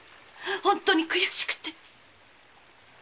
本当に悔しくて。